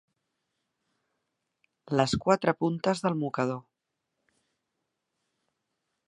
Les quatre puntes del mocador.